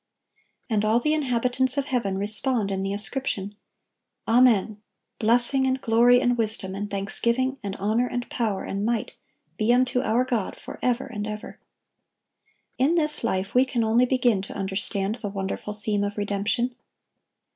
And all the inhabitants of heaven respond in the ascription, "Amen: Blessing, and glory, and wisdom, and thanksgiving, and honor, and power, and might, be unto our God forever and ever."(1130) In this life we can only begin to understand the wonderful theme of redemption.